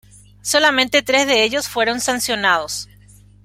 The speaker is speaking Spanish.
Solamente tres de ellos fueron sancionados.